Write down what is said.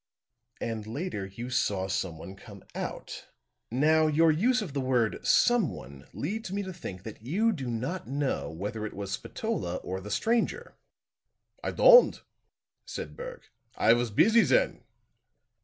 "And later you saw someone come out. Now, your use of the word 'someone' leads me to think that you do not know whether it was Spatola or the stranger." "I don'd," said Berg. "I was busy then.